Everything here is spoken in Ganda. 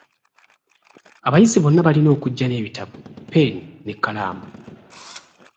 Abayizi bonna balina okujja n'ebitabo, ppeeni n'ekkalaamu.